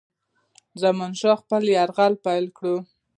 زمانشاه به خپل یرغل پیل کړي.